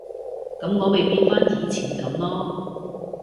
噉我咪變返以前噉囉